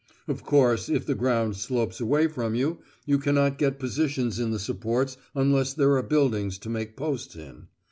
Of course if the ground slopes away behind you, you cannot get positions in the supports unless there are buildings to make posts in.